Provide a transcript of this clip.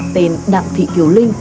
tên đặng thị kiều linh